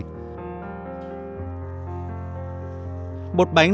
sau khi bột đã nguội